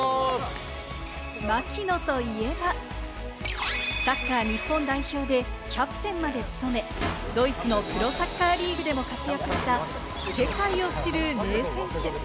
槙野といえば、サッカー日本代表でキャプテンまで務め、ドイツのプロサッカーリーグでも活躍した世界を知る名選手。